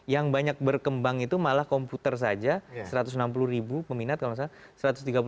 yang banyak berkembang itu malah komputer saja satu ratus enam puluh ribu peminat kalau misalnya